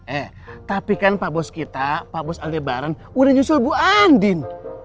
eh tapi kan pak bos kita pak bos al lebaran udah nyusul bu andin